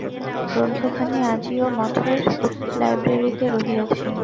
গ্রন্থখানি আজিও মঠের লাইব্রেরীতে রহিয়াছে।